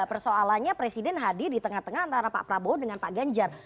persoalannya presiden hadir di tengah tengah antara pak prabowo dengan pak ganjar